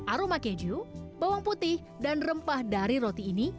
aroma keju bawang putih dan rempah dari roti ini